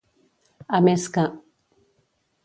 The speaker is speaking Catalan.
A més que.